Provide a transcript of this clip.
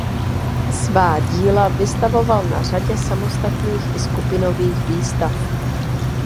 Svá díla vystavoval na řadě samostatných i skupinových výstav.